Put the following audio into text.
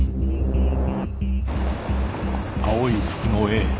青い服のＡ。